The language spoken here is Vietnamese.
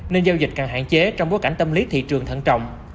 nên giao dịch càng hạn chế trong bối cảnh tâm lý thị trường thận trọng